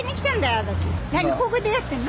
何ここでやってんの？